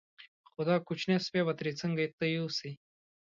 خو دا کوچنی سپی به ترې څنګه ته یوسې.